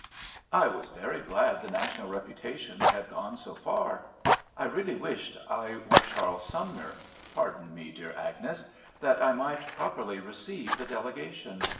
I was very glad the national reputation had gone so far. I really wished I were Charles Sumner (pardon me, dear Agnes), that I might properly receive the delegation.